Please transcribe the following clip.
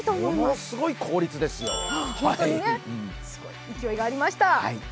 ものすごい効率ですよ。